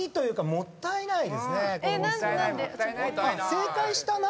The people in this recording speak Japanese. もったいない！